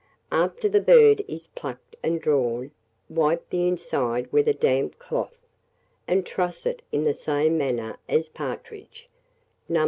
After the bird is plucked and drawn, wipe the inside with a damp cloth, and truss it in the same manner as partridge, No.